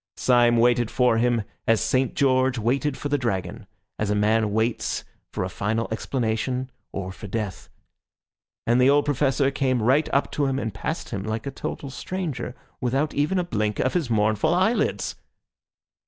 Syme waited for him as St. George waited for the dragon, as a man waits for a final explanation or for death. And the old Professor came right up to him and passed him like a total stranger, without even a blink of his mournful eyelids.